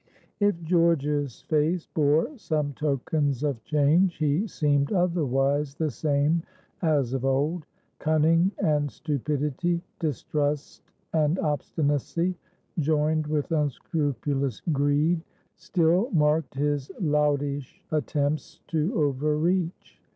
If George's face bore some tokens of change, he seemed otherwise the same as of old. Cunning and stupidity, distrust and obstinacy, joined with unscrupulous greed, still marked his loutish attempts to overreach.